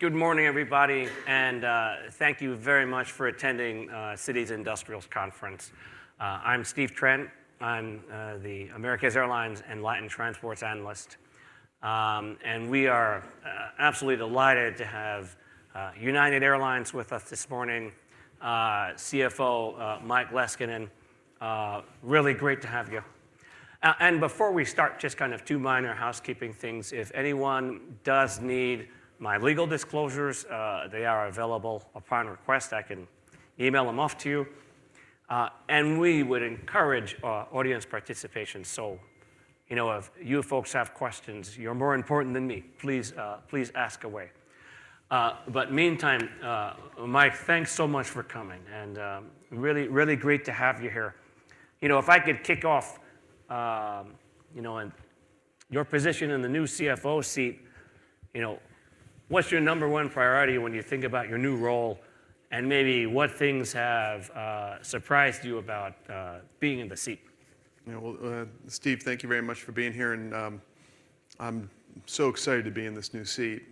Good morning, everybody, and thank you very much for attending Citi's Industrials Conference. I'm Steve Trent, I'm the Americas Airlines and Latin Transport analyst, and we are absolutely delighted to have United Airlines with us this morning, CFO Mike Leskinen. Really great to have you. Before we start, just kind of two minor housekeeping things. If anyone does need my legal disclosures, they are available upon request. I can email them off to you. We would encourage audience participation, so if you folks have questions, you're more important than me, please ask away. Meantime, Mike, thanks so much for coming, and really great to have you here. If I could kick off in your position in the new CFO seat, what's your number one priority when you think about your new role, and maybe what things have surprised you about being in the seat? Yeah, well, Steve, thank you very much for being here, and I'm so excited to be in this new seat.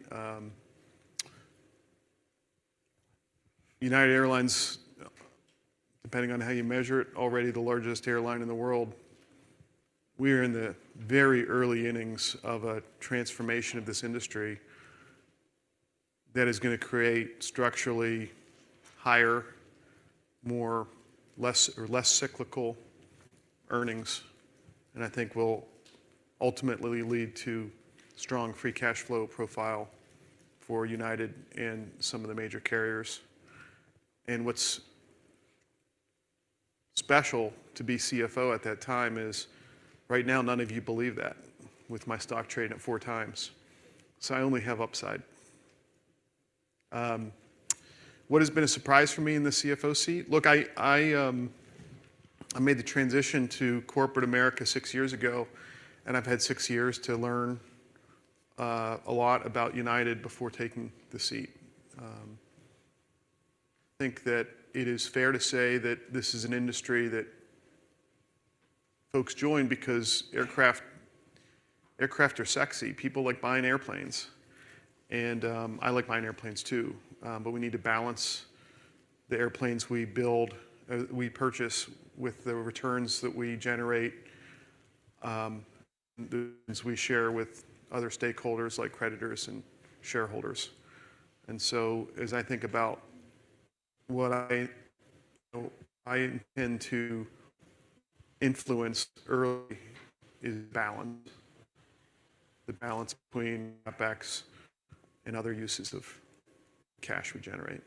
United Airlines, depending on how you measure it, already the largest airline in the world. We are in the very early innings of a transformation of this industry that is going to create structurally higher, less cyclical earnings, and I think will ultimately lead to strong free cash flow profile for United and some of the major carriers. And what's special to be CFO at that time is, right now, none of you believe that with my stock trading at 4x, so I only have upside. What has been a surprise for me in the CFO seat? Look, I made the transition to corporate America six years ago, and I've had six years to learn a lot about United before taking the seat. I think that it is fair to say that this is an industry that folks join because aircraft are sexy. People like buying airplanes, and I like buying airplanes too. But we need to balance the airplanes we purchase with the returns that we generate and the returns we share with other stakeholders like creditors and shareholders. And so as I think about what I intend to influence early is balance, the balance between cutbacks and other uses of cash we generate.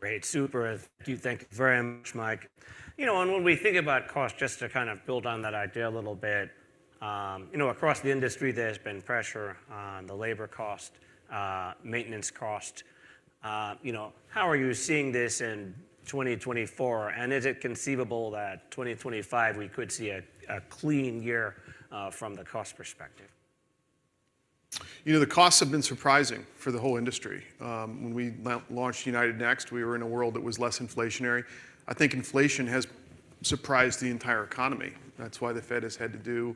Great, Super. Thank you very much, Mike. When we think about cost, just to kind of build on that idea a little bit, across the industry, there's been pressure on the labor cost, maintenance cost. How are you seeing this in 2024, and is it conceivable that 2025 we could see a clean year from the cost perspective? The costs have been surprising for the whole industry. When we launched United Next, we were in a world that was less inflationary. I think inflation has surprised the entire economy. That's why the Fed has had to do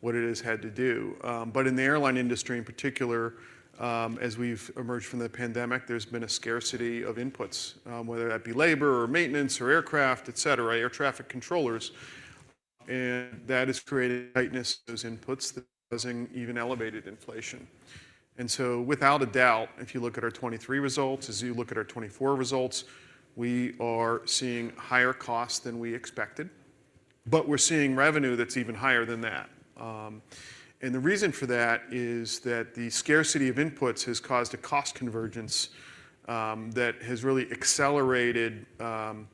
what it has had to do. But in the airline industry in particular, as we've emerged from the pandemic, there's been a scarcity of inputs, whether that be labor or maintenance or aircraft, et cetera, air traffic controllers. And that has created tightness in those inputs, causing even elevated inflation. And so without a doubt, if you look at our 2023 results, as you look at our 2024 results, we are seeing higher costs than we expected, but we're seeing revenue that's even higher than that. And the reason for that is that the scarcity of inputs has caused a cost convergence that has really accelerated the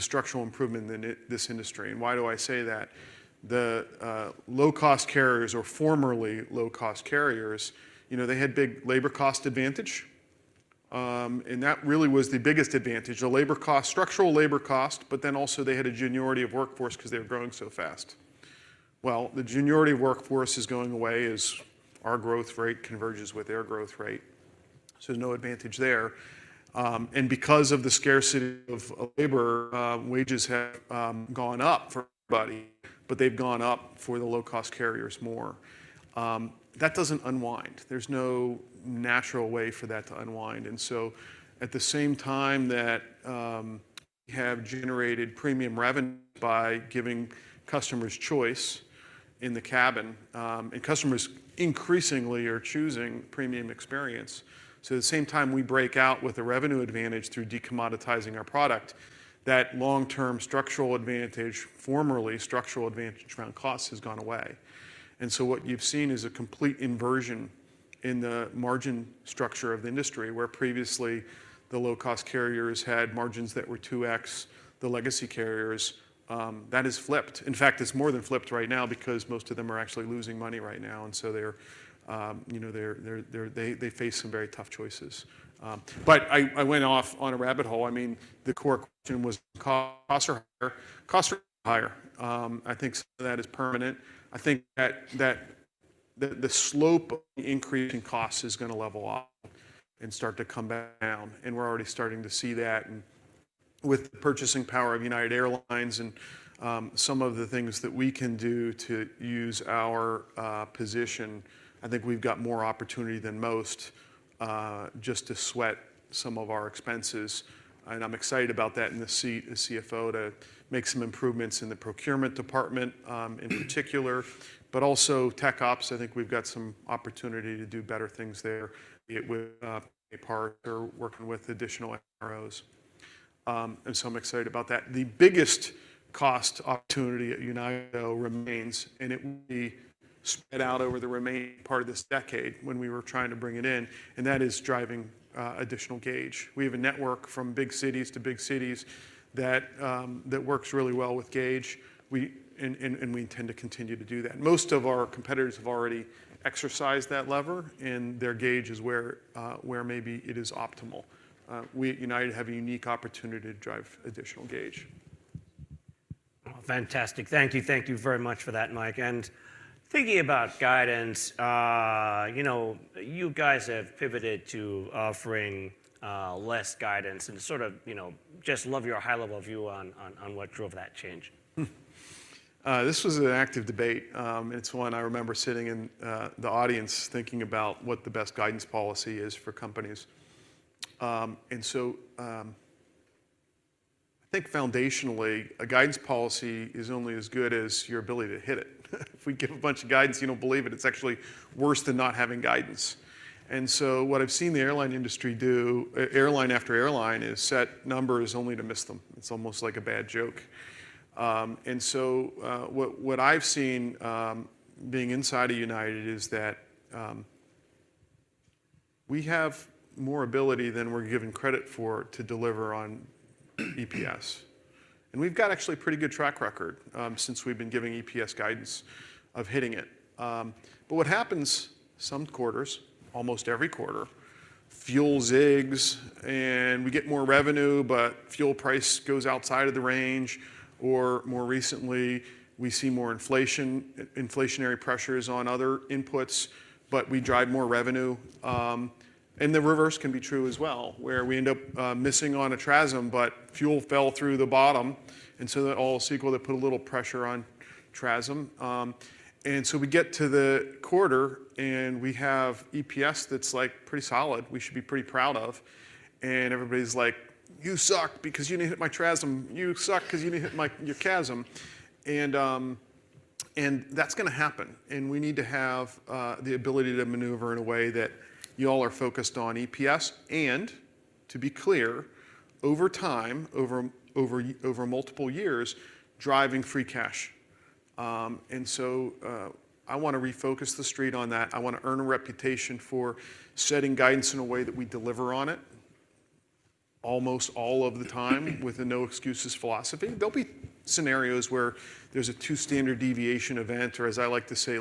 structural improvement in this industry. And why do I say that? The low-cost carriers, or formerly low-cost carriers, they had big labor cost advantage, and that really was the biggest advantage, the structural labor cost, but then also they had a juniority of workforce because they were growing so fast. Well, the juniority of workforce is going away as our growth rate converges with their growth rate, so there's no advantage there. And because of the scarcity of labor, wages have gone up for everybody, but they've gone up for the low-cost carriers more. That doesn't unwind. There's no natural way for that to unwind. And so at the same time that we have generated premium revenue by giving customers choice in the cabin, and customers increasingly are choosing premium experience, so at the same time we break out with a revenue advantage through decommoditizing our product, that long-term structural advantage, formerly structural advantage around costs, has gone away. And so what you've seen is a complete inversion in the margin structure of the industry, where previously the low-cost carriers had margins that were 2x the legacy carriers, that has flipped. In fact, it's more than flipped right now because most of them are actually losing money right now, and so they face some very tough choices. But I went off on a rabbit hole. I mean, the core question was, costs are higher. Costs are higher. I think some of that is permanent. I think that the slope of increasing costs is going to level off and start to come down, and we're already starting to see that. With the purchasing power of United Airlines and some of the things that we can do to use our position, I think we've got more opportunity than most just to sweat some of our expenses. I'm excited about that in the seat as CFO, to make some improvements in the procurement department in particular, but also Tech Ops. I think we've got some opportunity to do better things there, be it with P2P or working with additional MROs. So I'm excited about that. The biggest cost opportunity at United remains, and it will be spread out over the remaining part of this decade when we were trying to bring it in, and that is driving additional gauge. We have a network from big cities to big cities that works really well with gauge, and we intend to continue to do that. Most of our competitors have already exercised that lever, and their gauge is where maybe it is optimal. We at United have a unique opportunity to drive additional gauge. Fantastic. Thank you. Thank you very much for that, Mike. And thinking about guidance, you guys have pivoted to offering less guidance and sort of just love your high-level view on what drove that change. This was an active debate, and it's one I remember sitting in the audience thinking about what the best guidance policy is for companies. And so I think foundationally, a guidance policy is only as good as your ability to hit it. If we give a bunch of guidance, you don't believe it. It's actually worse than not having guidance. And so what I've seen the airline industry do, airline after airline, is set numbers only to miss them. It's almost like a bad joke. And so what I've seen being inside of United is that we have more ability than we're given credit for to deliver on EPS. And we've got actually a pretty good track record since we've been giving EPS guidance of hitting it. But what happens some quarters, almost every quarter, fuel's up, and we get more revenue, but fuel price goes outside of the range, or more recently, we see more inflation, inflationary pressures on other inputs, but we drive more revenue. And the reverse can be true as well, where we end up missing on a TRASM, but fuel fell through the bottom, and so that all shakes out put a little pressure on TRASM. And so we get to the quarter, and we have EPS that's pretty solid. We should be pretty proud of. And everybody's like, you suck because you didn't hit my TRASM. You suck because you didn't hit your CASM. And that's going to happen, and we need to have the ability to maneuver in a way that you all are focused on EPS and, to be clear, over time, over multiple years, driving free cash. I want to refocus the street on that. I want to earn a reputation for setting guidance in a way that we deliver on it almost all of the time with a no-excuses philosophy. There'll be scenarios where there's a two-standard deviation event, or as I like to say,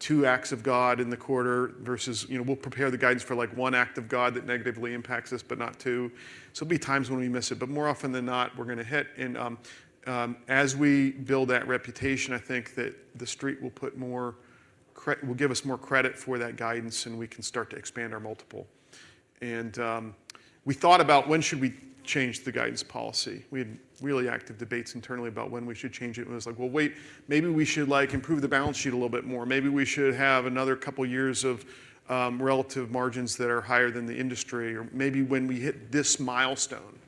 two acts of God in the quarter versus we'll prepare the guidance for one act of God that negatively impacts us but not two. There'll be times when we miss it, but more often than not, we're going to hit. As we build that reputation, I think that the street will give us more credit for that guidance, and we can start to expand our multiple. We thought about when should we change the guidance policy. We had really active debates internally about when we should change it. It was like, well, wait, maybe we should improve the balance sheet a little bit more. Maybe we should have another couple of years of relative margins that are higher than the industry, or maybe when we hit this milestone.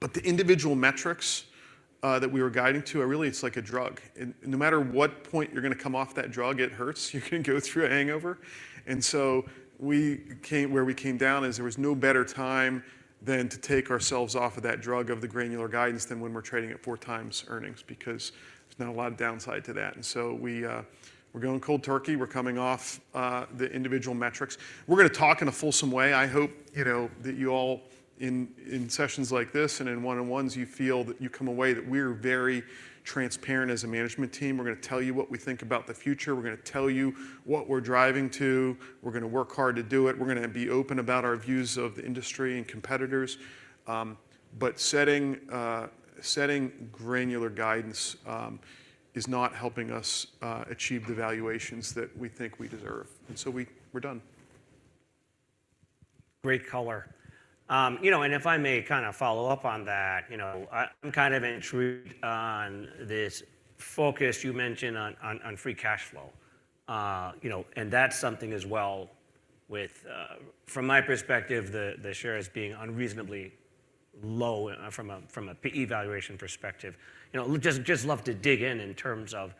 But the individual metrics that we were guiding to, really, it's like a drug. No matter what point you're going to come off that drug, it hurts. You can go through a hangover. And so where we came down is there was no better time than to take ourselves off of that drug of the granular guidance than when we're trading at 4x earnings because there's not a lot of downside to that. And so we're going cold turkey. We're coming off the individual metrics. We're going to talk in a fulsome way. I hope that you all, in sessions like this and in one-on-ones, you feel that you come away that we are very transparent as a management team. We're going to tell you what we think about the future. We're going to tell you what we're driving to. We're going to work hard to do it. We're going to be open about our views of the industry and competitors. But setting granular guidance is not helping us achieve the valuations that we think we deserve. And so we're done. Great color. If I may kind of follow up on that, I'm kind of intrigued on this focus you mentioned on free cash flow. That's something as well with, from my perspective, the shares being unreasonably low from a P/E valuation perspective. I'd just love to dig in in terms of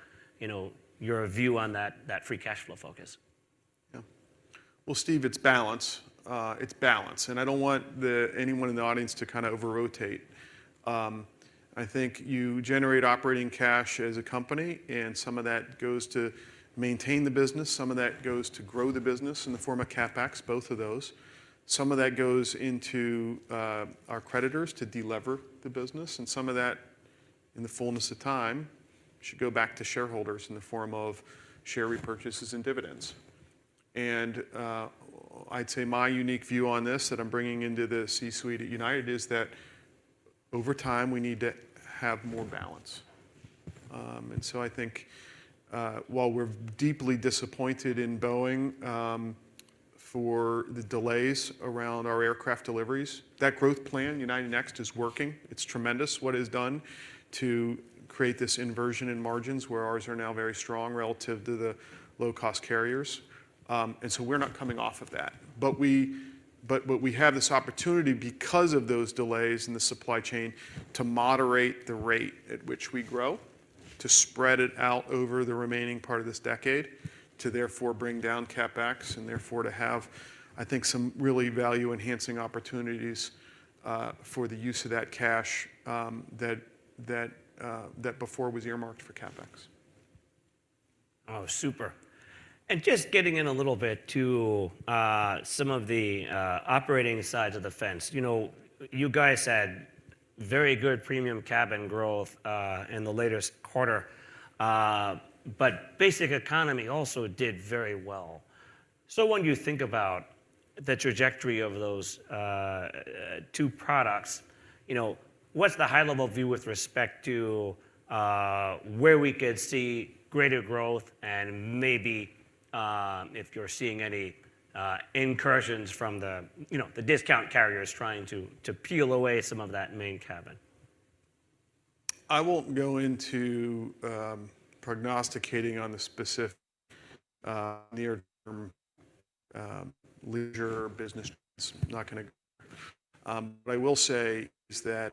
your view on that free cash flow focus. Yeah. Well, Steve, it's balance. It's balance. I don't want anyone in the audience to kind of over-rotate. I think you generate operating cash as a company, and some of that goes to maintain the business. Some of that goes to grow the business in the form of CapEx, both of those. Some of that goes into our creditors to delever the business, and some of that, in the fullness of time, should go back to shareholders in the form of share repurchases and dividends. I'd say my unique view on this that I'm bringing into the C-suite at United is that over time, we need to have more balance. So I think while we're deeply disappointed in Boeing for the delays around our aircraft deliveries, that growth plan, United Next, is working. It's tremendous what it has done to create this inversion in margins where ours are now very strong relative to the low-cost carriers. And so we're not coming off of that. But we have this opportunity because of those delays in the supply chain to moderate the rate at which we grow, to spread it out over the remaining part of this decade, to therefore bring down CapEx, and therefore to have, I think, some really value-enhancing opportunities for the use of that cash that before was earmarked for CapEx. Oh, super. And just getting in a little bit to some of the operating sides of the fence, you guys had very good premium cabin growth in the latest quarter, but Basic Economy also did very well. So when you think about the trajectory of those two products, what's the high-level view with respect to where we could see greater growth and maybe if you're seeing any incursions from the discount carriers trying to peel away some of that main cabin? I won't go into prognosticating on the specific near-term leisure business. It's not going to. What I will say is that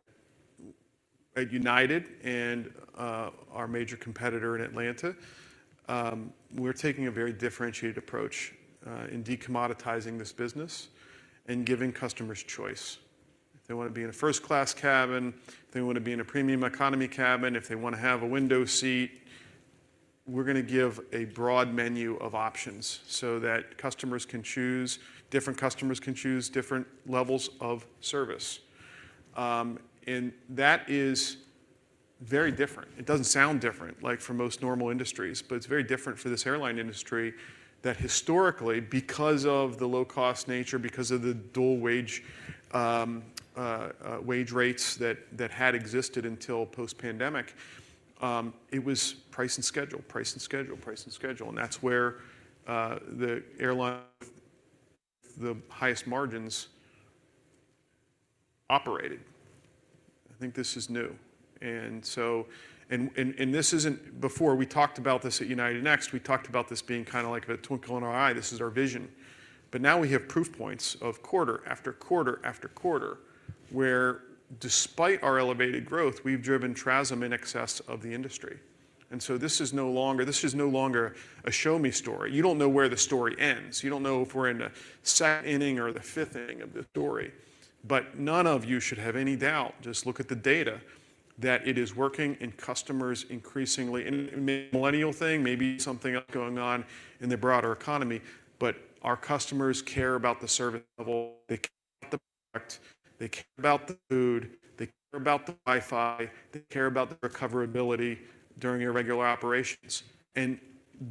at United and our major competitor in Atlanta, we're taking a very differentiated approach in decommoditizing this business and giving customers choice. If they want to be in a first-class cabin, if they want to be in a Premium Economy cabin, if they want to have a window seat, we're going to give a broad menu of options so that customers can choose, different customers can choose different levels of service. That is very different. It doesn't sound different for most normal industries, but it's very different for this airline industry that historically, because of the low-cost nature, because of the dual wage rates that had existed until post-pandemic, it was price and schedule, price and schedule, price and schedule. That's where the airline with the highest margins operated. I think this is new. This isn't before. We talked about this at United Next. We talked about this being kind of like a twinkle in our eye. This is our vision. But now we have proof points of quarter after quarter after quarter where, despite our elevated growth, we've driven TRASM in excess of the industry. So this is no longer a show-me story. You don't know where the story ends. You don't know if we're in the second inning or the fifth inning of the story. But none of you should have any doubt. Just look at the data that it is working in customers increasingly. It may be a millennial thing. Maybe something else going on in the broader economy. But our customers care about the service level. They care about the product. They care about the food. They care about the Wi-Fi. They care about the recoverability during irregular operations.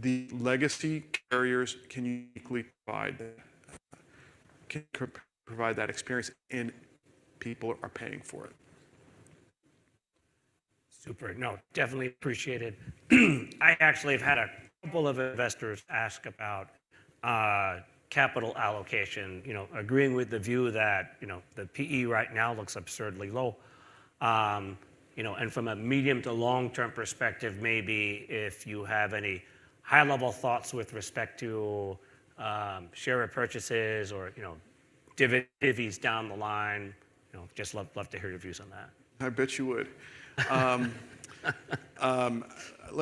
The legacy carriers can uniquely provide that, can provide that experience, and people are paying for it. Super. No, definitely appreciated. I actually have had a couple of investors ask about capital allocation, agreeing with the view that the P/E right now looks absurdly low. And from a medium to long-term perspective, maybe if you have any high-level thoughts with respect to share repurchases or dividends down the line, just love to hear your views on that. I bet you would. Let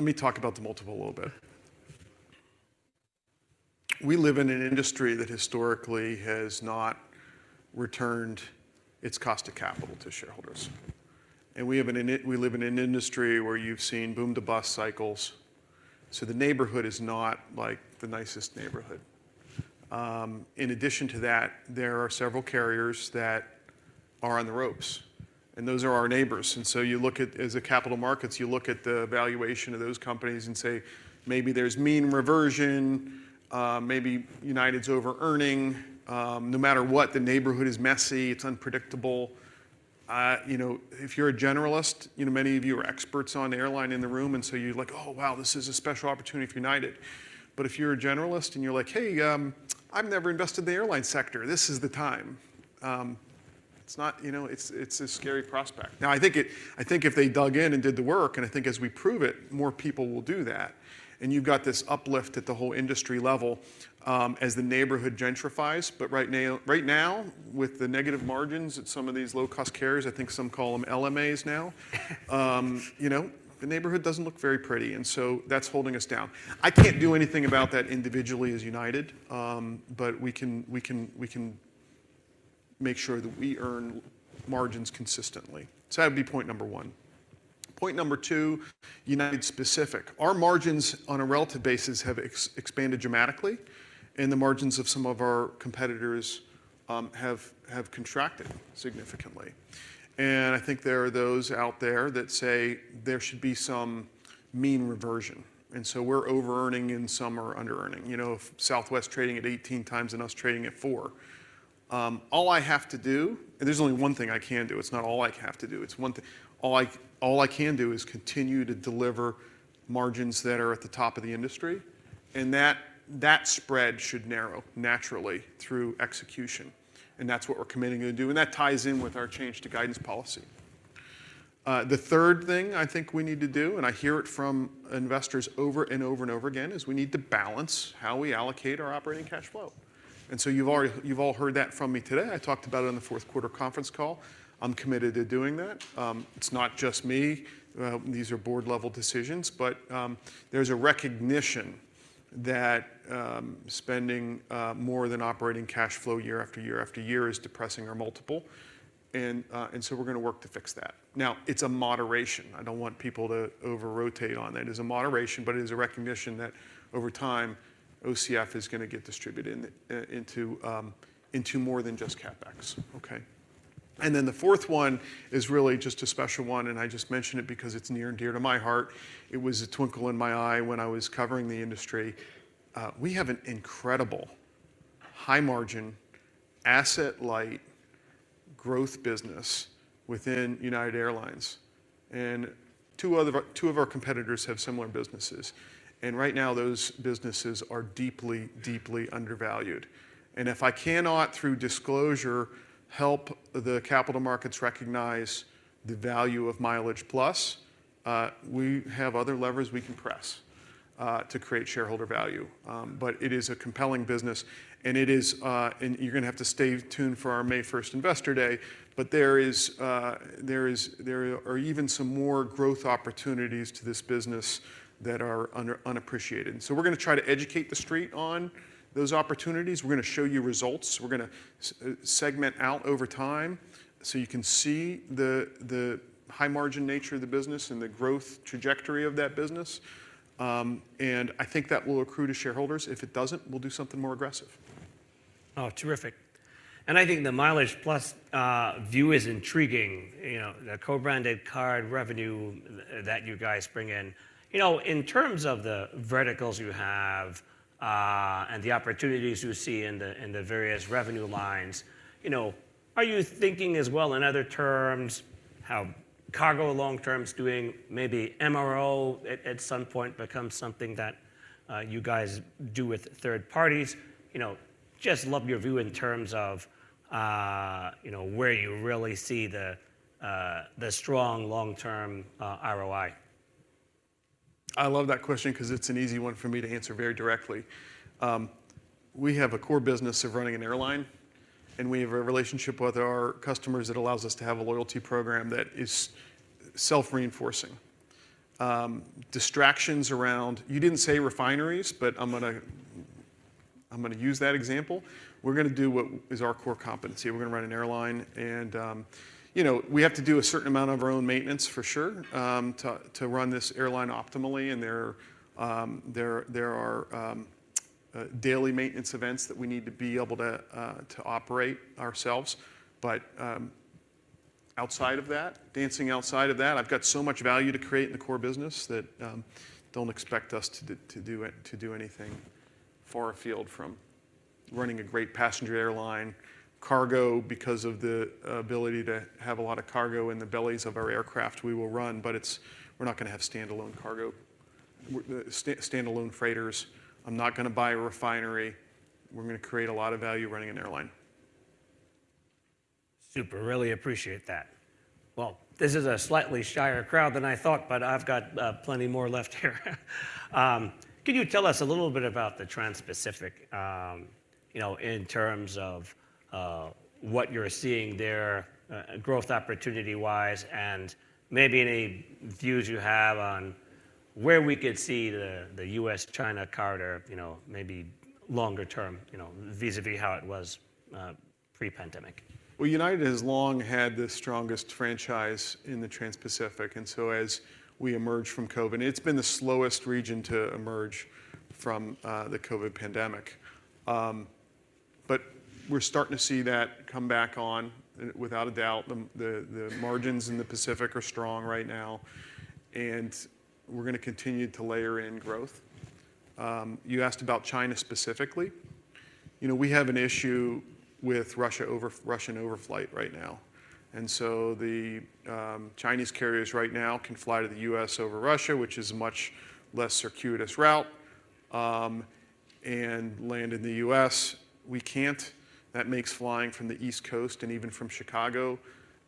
me talk about the multiple a little bit. We live in an industry that historically has not returned its cost of capital to shareholders. And we live in an industry where you've seen boom-to-bust cycles. So the neighborhood is not the nicest neighborhood. In addition to that, there are several carriers that are on the ropes. And those are our neighbors. And so as a capital markets, you look at the valuation of those companies and say, maybe there's mean reversion. Maybe United's over-earning. No matter what, the neighborhood is messy. It's unpredictable. If you're a generalist, many of you are experts on airline in the room, and so you're like, oh, wow, this is a special opportunity for United. But if you're a generalist and you're like, hey, I've never invested in the airline sector. This is the time. It's a scary prospect. Now, I think if they dug in and did the work, and I think as we prove it, more people will do that. And you've got this uplift at the whole industry level as the neighborhood gentrifies, but right now, with the negative margins at some of these low-cost carriers, I think some call them LMAs now, the neighborhood doesn't look very pretty. And so that's holding us down. I can't do anything about that individually as United, but we can make sure that we earn margins consistently. So that would be point number one. Point number two, United specific. Our margins on a relative basis have expanded dramatically, and the margins of some of our competitors have contracted significantly. And I think there are those out there that say there should be some mean reversion. And so we're over-earning in some or under-earning. If Southwest trading at 18x and us trading at 4x, all I have to do, and there's only one thing I can do. It's not all I have to do. All I can do is continue to deliver margins that are at the top of the industry. And that spread should narrow naturally through execution. And that's what we're committing to do. And that ties in with our change to guidance policy. The third thing I think we need to do, and I hear it from investors over and over and over again, is we need to balance how we allocate our operating cash flow. And so you've all heard that from me today. I talked about it on the fourth quarter conference call. I'm committed to doing that. It's not just me. These are board-level decisions. But there's a recognition that spending more than operating cash flow year after year after year is depressing our multiple. And so we're going to work to fix that. Now, it's a moderation. I don't want people to over-rotate on that. It is a moderation, but it is a recognition that over time, OCF is going to get distributed into more than just CapEx. And then the fourth one is really just a special one, and I just mentioned it because it's near and dear to my heart. It was a twinkle in my eye when I was covering the industry. We have an incredible high-margin, asset-light growth business within United Airlines. And two of our competitors have similar businesses. And right now, those businesses are deeply, deeply undervalued. And if I cannot, through disclosure, help the capital markets recognize the value of MileagePlus, we have other levers we can press to create shareholder value. But it is a compelling business. And you're going to have to stay tuned for our May 1st Investor Day, but there are even some more growth opportunities to this business that are unappreciated. And so we're going to try to educate the street on those opportunities. We're going to show you results. We're going to segment out over time so you can see the high-margin nature of the business and the growth trajectory of that business. And I think that will accrue to shareholders. If it doesn't, we'll do something more aggressive. Oh, terrific. And I think the MileagePlus view is intriguing, the co-branded card revenue that you guys bring in. In terms of the verticals you have and the opportunities you see in the various revenue lines, are you thinking as well in other terms how cargo long-term is doing? Maybe MRO at some point becomes something that you guys do with third parties. Just love your view in terms of where you really see the strong long-term ROI. I love that question because it's an easy one for me to answer very directly. We have a core business of running an airline, and we have a relationship with our customers that allows us to have a loyalty program that is self-reinforcing. Distractions around you didn't say refineries, but I'm going to use that example. We're going to do what is our core competency. We're going to run an airline. And we have to do a certain amount of our own maintenance, for sure, to run this airline optimally. And there are daily maintenance events that we need to be able to operate ourselves. But outside of that, dancing outside of that, I've got so much value to create in the core business that don't expect us to do anything far afield from running a great passenger airline. Cargo, because of the ability to have a lot of cargo in the bellies of our aircraft, we will run. But we're not going to have standalone cargo, standalone freighters. I'm not going to buy a refinery. We're going to create a lot of value running an airline. Super. Really appreciate that. Well, this is a slightly shyer crowd than I thought, but I've got plenty more left here. Could you tell us a little bit about the trans-Pacific in terms of what you're seeing there growth opportunity-wise and maybe any views you have on where we could see the U.S.-China charter, maybe longer-term, vis-à-vis how it was pre-pandemic? Well, United has long had the strongest franchise in the Trans-Pacific. And so as we emerged from COVID, it's been the slowest region to emerge from the COVID pandemic. But we're starting to see that come back on, without a doubt. The margins in the Pacific are strong right now, and we're going to continue to layer in growth. You asked about China specifically. We have an issue with Russian overflight right now. And so the Chinese carriers right now can fly to the U.S. over Russia, which is a much less circuitous route, and land in the U.S. We can't. That makes flying from the East Coast and even from Chicago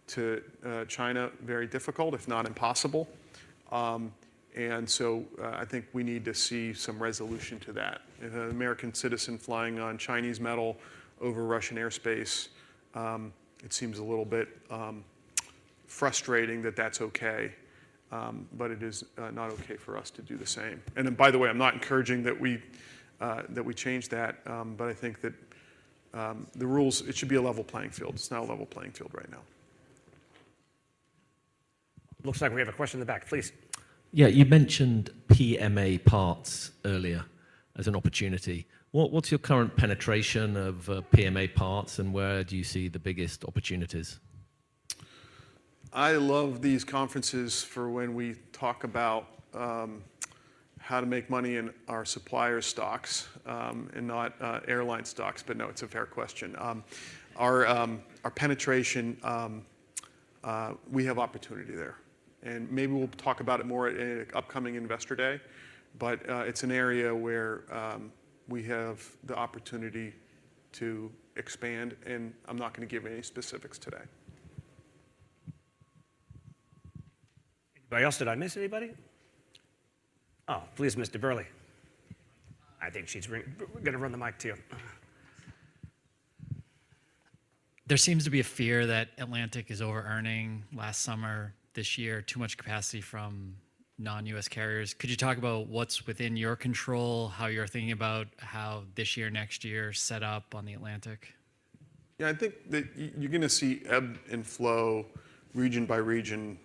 to China very difficult, if not impossible. And so I think we need to see some resolution to that. An American citizen flying on Chinese metal over Russian airspace, it seems a little bit frustrating that that's OK. But it is not OK for us to do the same. And by the way, I'm not encouraging that we change that. But I think that the rules it should be a level playing field. It's not a level playing field right now. Looks like we have a question in the back. Please. Yeah. You mentioned PMA Parts earlier as an opportunity. What's your current penetration of PMA Parts, and where do you see the biggest opportunities? I love these conferences for when we talk about how to make money in our supplier stocks and not airline stocks. But no, it's a fair question. Our penetration, we have opportunity there. And maybe we'll talk about it more at an upcoming Investor Day. But it's an area where we have the opportunity to expand. And I'm not going to give any specifics today. Anybody else? Did I miss anybody? Oh, please, Ms. DeBerli. I think she's going to run the mic to you. There seems to be a fear that Atlantic is over-earning last summer, this year, too much capacity from non-US carriers. Could you talk about what's within your control, how you're thinking about how this year, next year set up on the Atlantic? Yeah. I think that you're going to see ebb and flow region by region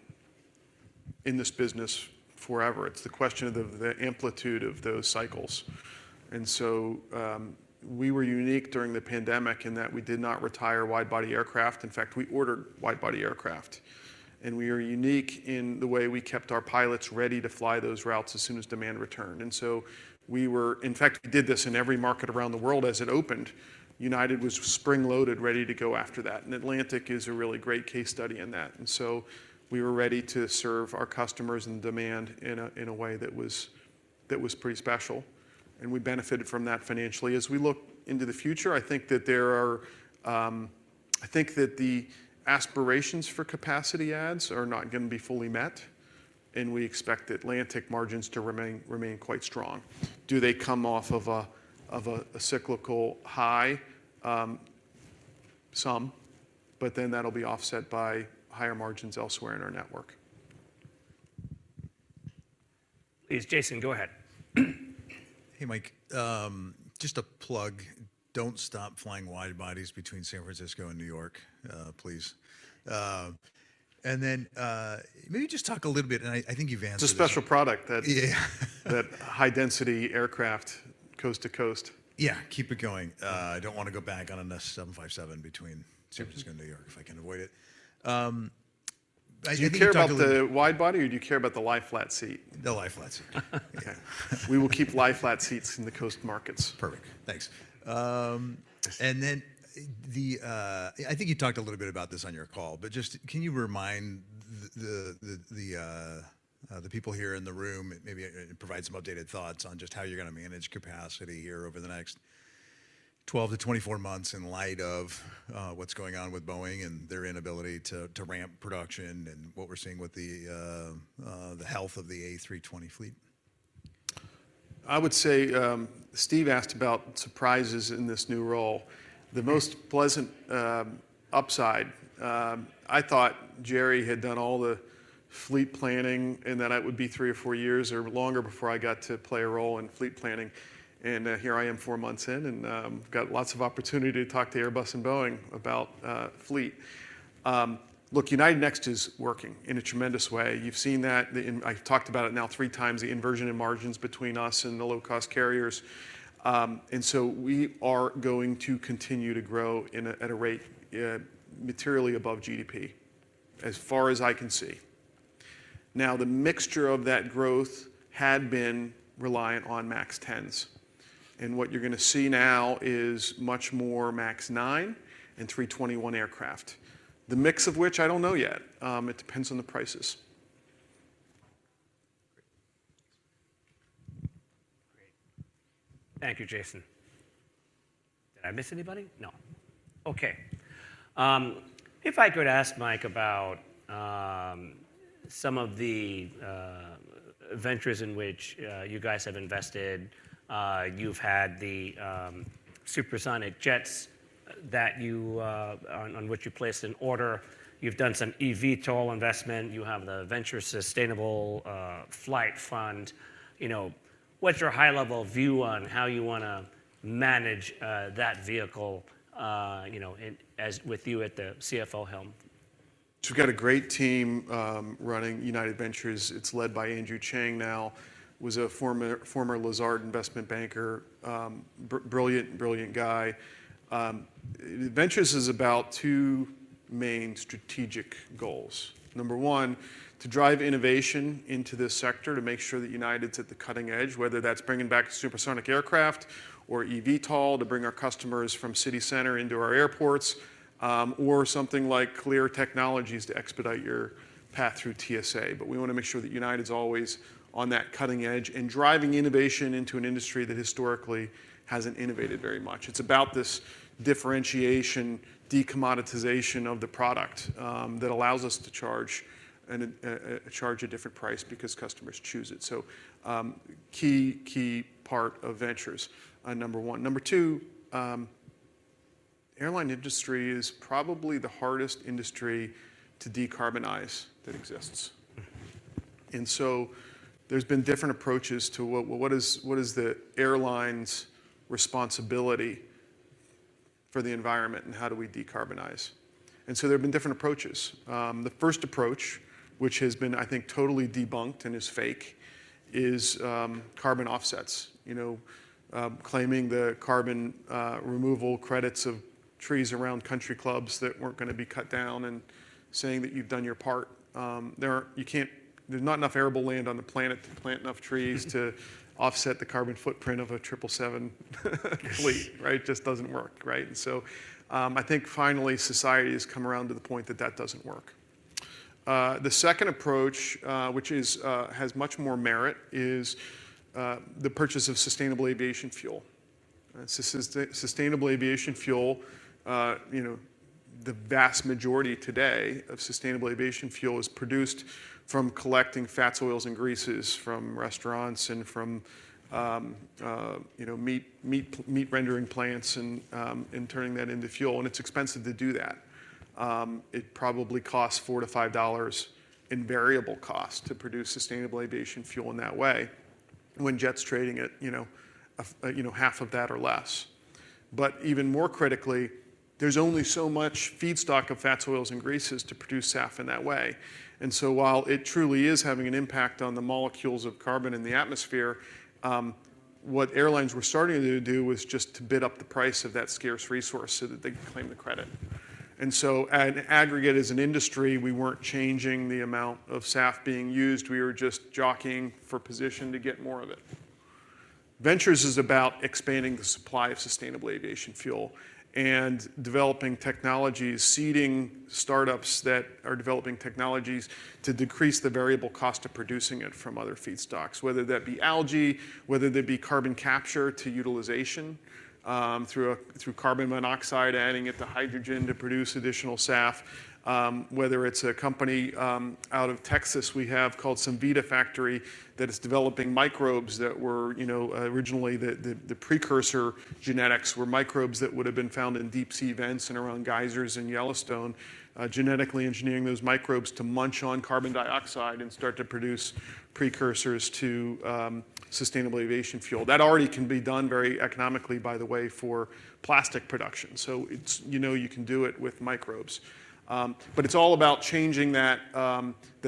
in this business forever. It's the question of the amplitude of those cycles. And so we were unique during the pandemic in that we did not retire widebody aircraft. In fact, we ordered widebody aircraft. And we are unique in the way we kept our pilots ready to fly those routes as soon as demand returned. And so we were, in fact, we did this in every market around the world as it opened. United was spring-loaded, ready to go after that. And Atlantic is a really great case study in that. And so we were ready to serve our customers and demand in a way that was pretty special. And we benefited from that financially. As we look into the future, I think that the aspirations for capacity adds are not going to be fully met. We expect Atlantic margins to remain quite strong. Do they come off of a cyclical high? Some. But then that'll be offset by higher margins elsewhere in our network. Please, Jason, go ahead. Hey, Mike. Just a plug. Don't stop flying widebodies between San Francisco and New York, please. And then maybe just talk a little bit, and I think you've answered it. It's a special product, that high-density aircraft coast to coast. Yeah. Keep it going. I don't want to go back on a 757 between San Francisco and New York if I can avoid it. Do you care about the widebody, or do you care about the lie-flat seat? The lie-flat seat. We will keep lie-flat seats in the coastal markets. Perfect. Thanks. And then I think you talked a little bit about this on your call. But just can you remind the people here in the room? Maybe provide some updated thoughts on just how you're going to manage capacity here over the next 12 to 24 months in light of what's going on with Boeing and their inability to ramp production and what we're seeing with the health of the A320 fleet? I would say Steve asked about surprises in this new role. The most pleasant upside, I thought Gerry had done all the fleet planning in that it would be 3 or 4 years or longer before I got to play a role in fleet planning. And here I am, 4 months in, and I've got lots of opportunity to talk to Airbus and Boeing about fleet. Look, United Next is working in a tremendous way. You've seen that. I've talked about it now 3 times, the inversion in margins between us and the low-cost carriers. And so we are going to continue to grow at a rate materially above GDP, as far as I can see. Now, the mixture of that growth had been reliant on MAX 10s. What you're going to see now is much more MAX 9 and 321 aircraft, the mix of which I don't know yet. It depends on the prices. Great. Thank you, Jason. Did I miss anybody? No. OK. If I could ask Mike about some of the ventures in which you guys have invested. You've had the supersonic jets on which you placed an order. You've done some eVTOL investment. You have the Venture Sustainable Flight Fund. What's your high-level view on how you want to manage that vehicle with you at the CFO helm? So we've got a great team running United Ventures. It's led by Andrew Chang now, who was a former Lazard investment banker. Brilliant, brilliant guy. Ventures is about 2 main strategic goals. Number 1, to drive innovation into this sector, to make sure that United's at the cutting edge, whether that's bringing back supersonic aircraft or eVTOL to bring our customers from city center into our airports or something like Clear Technologies to expedite your path through TSA. But we want to make sure that United's always on that cutting edge and driving innovation into an industry that historically hasn't innovated very much. It's about this differentiation, decommoditization of the product that allows us to charge a different price because customers choose it. So key, key part of ventures, number 1. Number 2, the airline industry is probably the hardest industry to decarbonize that exists. There's been different approaches to what is the airline's responsibility for the environment, and how do we decarbonize? There have been different approaches. The first approach, which has been, I think, totally debunked and is fake, is carbon offsets, claiming the carbon removal credits of trees around country clubs that weren't going to be cut down and saying that you've done your part. There's not enough arable land on the planet to plant enough trees to offset the carbon footprint of a 777 fleet. It just doesn't work. I think, finally, society has come around to the point that that doesn't work. The second approach, which has much more merit, is the purchase of sustainable aviation fuel. The vast majority today of sustainable aviation fuel is produced from collecting fats, oils, and greases from restaurants and from meat-rendering plants and turning that into fuel. It's expensive to do that. It probably costs $4-$5 in variable cost to produce sustainable aviation fuel in that way. When jet fuel's trading at half of that or less. But even more critically, there's only so much feedstock of fats, oils, and greases to produce SAF in that way. And so while it truly is having an impact on the molecules of carbon in the atmosphere, what airlines were starting to do was just to bid up the price of that scarce resource so that they could claim the credit. And so, in the aggregate, as an industry, we weren't changing the amount of SAF being used. We were just jockeying for position to get more of it. Ventures is about expanding the supply of sustainable aviation fuel and developing technologies, seeding startups that are developing technologies to decrease the variable cost of producing it from other feedstocks, whether that be algae, whether that be carbon capture to utilization through carbon monoxide, adding it to hydrogen to produce additional SAF. Whether it's a company out of Texas, we have called Cemvita Factory that is developing microbes that were originally the precursor genetics were microbes that would have been found in deep-sea vents and around geysers in Yellowstone, genetically engineering those microbes to munch on carbon dioxide and start to produce precursors to sustainable aviation fuel. That already can be done very economically, by the way, for plastic production. So you can do it with microbes. But it's all about changing the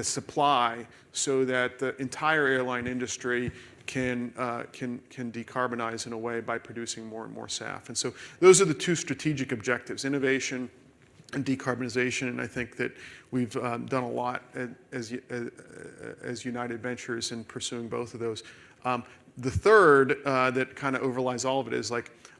supply so that the entire airline industry can decarbonize in a way by producing more and more SAF. And so those are the two strategic objectives, innovation and decarbonization. And I think that we've done a lot as United Ventures in pursuing both of those. The third that kind of overlies all of it is,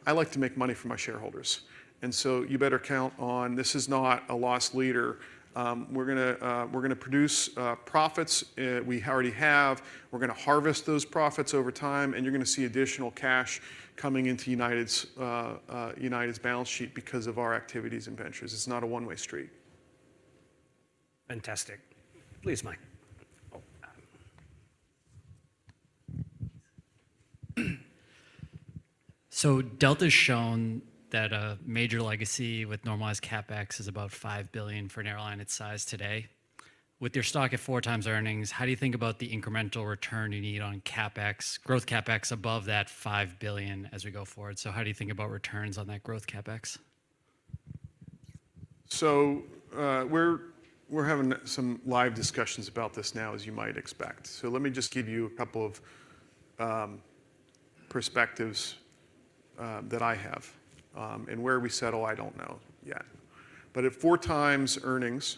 I like to make money for my shareholders. And so you better count on this is not a loss leader. We're going to produce profits we already have. We're going to harvest those profits over time. And you're going to see additional cash coming into United's balance sheet because of our activities in ventures. It's not a one-way street. Fantastic. Please, Mike. Delta has shown that a major legacy with normalized CapEx is about $5 billion for an airline its size today. With your stock at 4x earnings, how do you think about the incremental return you need on CapEx, growth CapEx above that $5 billion as we go forward? So how do you think about returns on that growth CapEx? So we're having some live discussions about this now, as you might expect. So let me just give you a couple of perspectives that I have. And where we settle, I don't know yet. But at 4x earnings,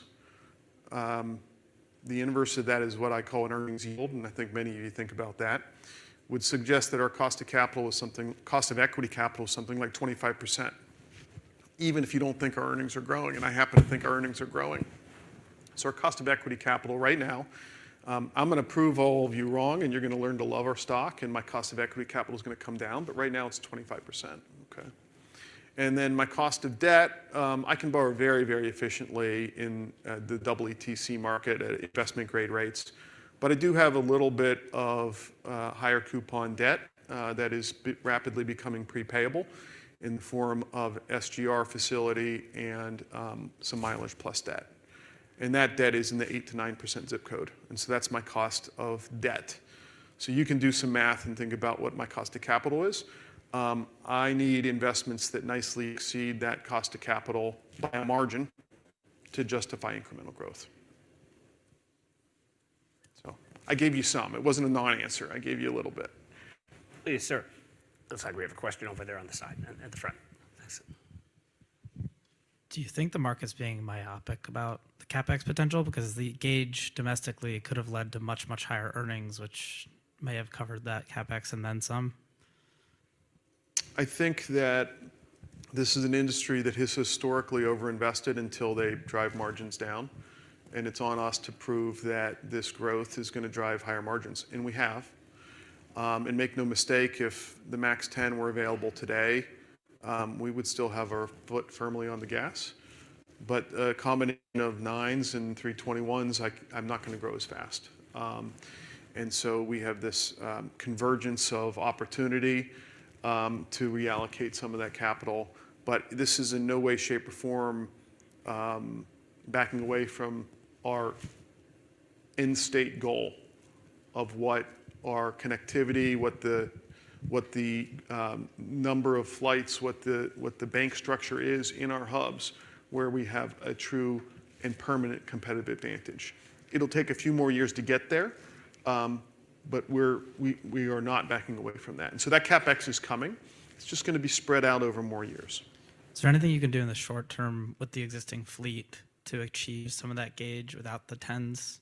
the inverse of that is what I call an earnings yield. And I think many of you think about that, would suggest that our cost of capital is something cost of equity capital is something like 25%, even if you don't think our earnings are growing. And I happen to think our earnings are growing. So our cost of equity capital right now, I'm going to prove all of you wrong, and you're going to learn to love our stock. And my cost of equity capital is going to come down. But right now, it's 25%. Then my cost of debt, I can borrow very, very efficiently in the EETC market at investment-grade rates. But I do have a little bit of higher coupon debt that is rapidly becoming prepayable in the form of SGR Facility and some MileagePlus debt. And that debt is in the 8%-9% zip code. And so that's my cost of debt. So you can do some math and think about what my cost of capital is. I need investments that nicely exceed that cost of capital by a margin to justify incremental growth. So I gave you some. It wasn't a non-answer. I gave you a little bit. Please, sir. Looks like we have a question over there on the side at the front. Do you think the market's being myopic about the CapEx potential? Because the gauge domestically could have led to much, much higher earnings, which may have covered that CapEx and then some. I think that this is an industry that has historically overinvested until they drive margins down. It's on us to prove that this growth is going to drive higher margins. And we have. Make no mistake, if the MAX 10 were available today, we would still have our foot firmly on the gas. But a combination of 9s and 321s, I'm not going to grow as fast. So we have this convergence of opportunity to reallocate some of that capital. But this is in no way, shape, or form backing away from our end-state goal of what our connectivity, what the number of flights, what the bank structure is in our hubs, where we have a true and permanent competitive advantage. It'll take a few more years to get there. But we are not backing away from that. So that CapEx is coming. It's just going to be spread out over more years. Is there anything you can do in the short term with the existing fleet to achieve some of that gauge without the 10s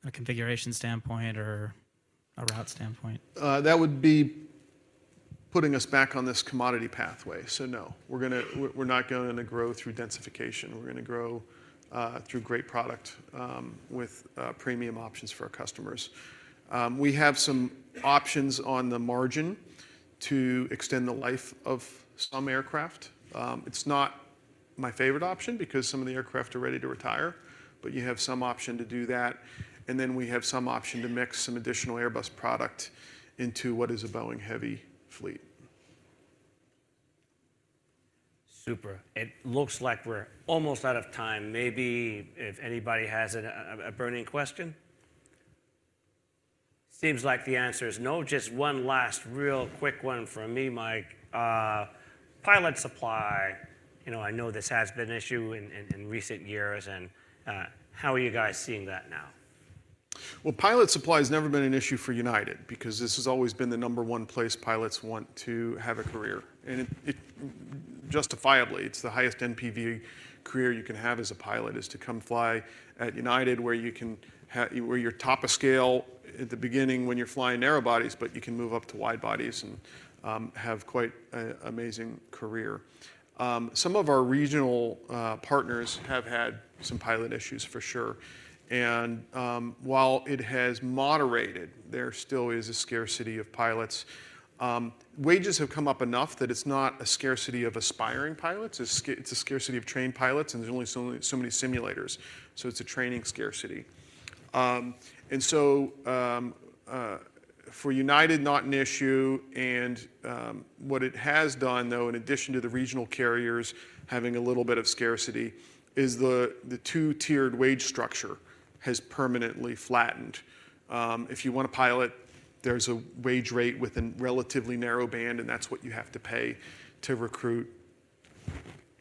from a configuration standpoint or a route standpoint? That would be putting us back on this commodity pathway. So no, we're not going to grow through densification. We're going to grow through great product with premium options for our customers. We have some options on the margin to extend the life of some aircraft. It's not my favorite option because some of the aircraft are ready to retire. But you have some option to do that. And then we have some option to mix some additional Airbus product into what is a Boeing-heavy fleet. Super. It looks like we're almost out of time. Maybe if anybody has a burning question. Seems like the answer is no. Just one last real quick one from me, Mike. Pilot supply, I know this has been an issue in recent years. And how are you guys seeing that now? Well, pilot supply has never been an issue for United because this has always been the number one place pilots want to have a career. And justifiably, it's the highest NPV career you can have as a pilot, is to come fly at United, where you're top of scale at the beginning when you're flying narrowbodies. But you can move up to widebodies and have quite an amazing career. Some of our regional partners have had some pilot issues, for sure. And while it has moderated, there still is a scarcity of pilots. Wages have come up enough that it's not a scarcity of aspiring pilots. It's a scarcity of trained pilots. And there's only so many simulators. So it's a training scarcity. And so for United, not an issue. What it has done, though, in addition to the regional carriers having a little bit of scarcity, is the two-tiered wage structure has permanently flattened. If you want to pilot, there's a wage rate within a relatively narrow band. And that's what you have to pay to recruit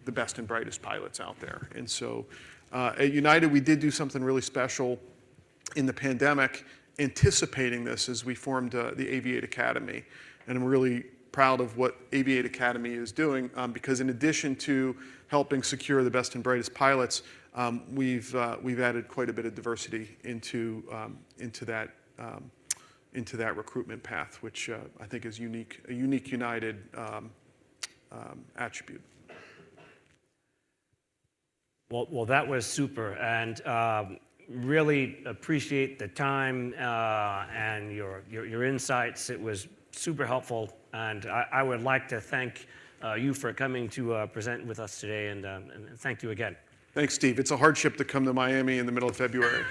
the best and brightest pilots out there. And so at United, we did do something really special in the pandemic anticipating this as we formed the Aviate Academy. And I'm really proud of what Aviate Academy is doing because, in addition to helping secure the best and brightest pilots, we've added quite a bit of diversity into that recruitment path, which I think is a unique United attribute. Well, that was super. And really appreciate the time and your insights. It was super helpful. And I would like to thank you for coming to present with us today. And thank you again. Thanks, Steve. It's a hardship to come to Miami in the middle of February.